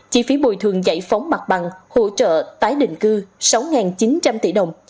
chi phí bồi thường giải phóng mặt bằng hỗ trợ tái định cư sáu chín trăm linh tỷ đồng